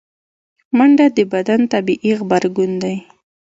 منډه د بدن طبیعي غبرګون دی